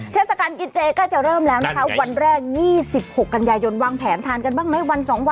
เทศกาลกินเจก็จะเริ่มแล้วนะคะวันแรก๒๖กันยายนวางแผนทานกันบ้างไหมวัน๒วัน